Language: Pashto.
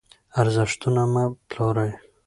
ارزښتونه مه پلورئ.